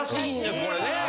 これね。